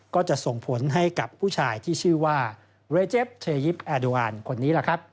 ก็จะส่งผลให้กับผู้ชายที่ชื่อว่าเรเจฟเชยิปแอดูอันคนนี้แหละครับ